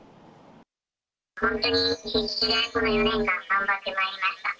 本当に必死で、この４年間、頑張ってまいりました。